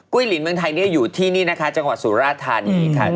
กุ้ยหลีนเมืองไทยนี่อยู่ที่นี่นะคะจังหวะสุราษฎร์ธานีค่ะ